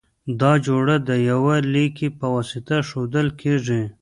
دا جوړه د یوه لیکي په واسطه ښودل کیږی.